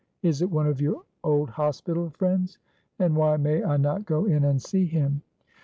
Is it one of your old hospital friends? And why may I not go in and see him?"